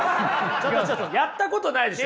ちょっとちょっとやったことないでしょ！